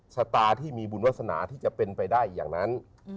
ชะตาที่มีบุญวาสนาที่จะเป็นไปได้อย่างนั้น